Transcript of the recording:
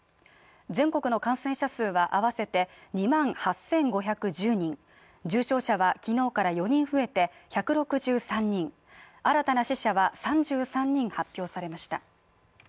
全国の感染者数は合わせて２万８５１０人、重症者は昨日から４人増えて１６３人新たな死者は３３人発表されました。